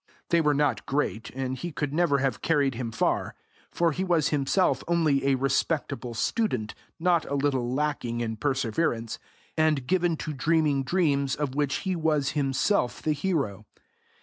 They were not great, and he could never have carried him far, for he was himself only a respectable student, not a little lacking in perseverance, and given to dreaming dreams of which he was himself the hero.